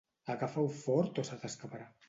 Agafa-ho fort o se t'escaparà.